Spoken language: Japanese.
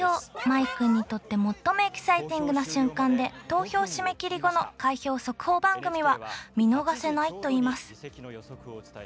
舞くんにとって最もエキサイティングな瞬間で投票締め切り後の開票速報番組は見逃せないといいます。